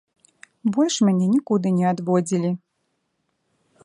Больш мяне нікуды не адводзілі.